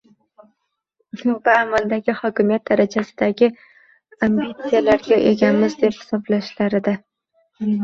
va amaldagi hokimiyat darajasidagi ambitsiyalarga egamiz deb hisoblashlarida